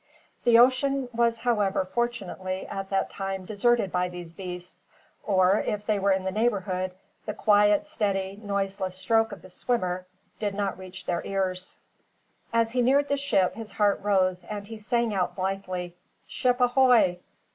The ocean was however, fortunately, at that time deserted by these beasts; or if they were in the neighborhood, the quiet, steady, noiseless stroke of the swimmer did not reach their ears. As he neared the ship his heart rose, and he sang out blithely, "Ship ahoy!"